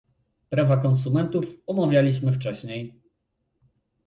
Prawa konsumentów omawialiśmy wcześniej